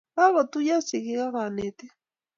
Kagotuiyo sigik ako konetik